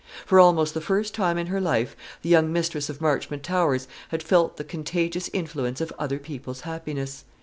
For almost the first time in her life, the young mistress of Marchmont Towers had felt the contagious influence of other people's happiness.